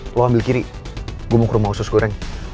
lo ambil kiri gue mau ke rumah usus goreng